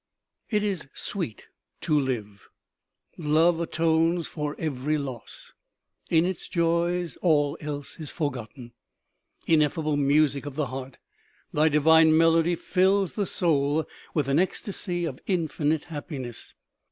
IT is sweet to live. Love atones for every loss ; in its joys all else is forgotten. Ineffable music of the heart, thy divine melody fill the soul with an ecstasy of infinite happiness